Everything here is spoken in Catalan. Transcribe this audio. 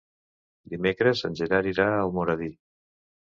Dimecres en Gerard irà a Almoradí.